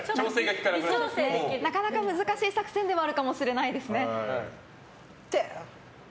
なかなか難しい作戦ではあるかもしれないですね。